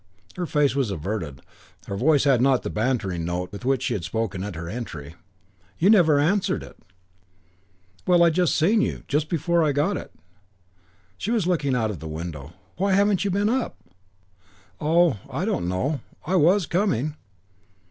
Her face was averted. Her voice had not the bantering note with which she had spoken at her entry. "You never answered it." "Well, I'd just seen you just before I got it." She was looking out of the window. "Why haven't you been up?" "Oh I don't know. I was coming."